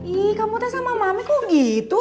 ih kamu teh sama mami kok gitu